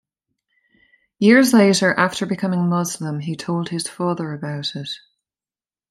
Years later, after becoming Muslim, he told his father about it.